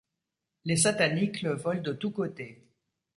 Les satanicles volent de tous côtés.